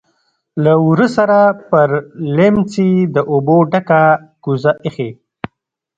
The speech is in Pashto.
لهٔ ورهٔ سره پر لیمڅي د اوبو ډکه کوزه ایښې.